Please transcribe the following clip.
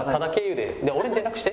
で俺に連絡して。